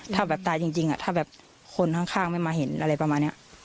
ถ้าแบบตายจริงถ้าแบบคนข้างไม่มาเห็นอะไรประมาณนี้